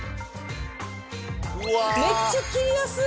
めっちゃ切りやすい。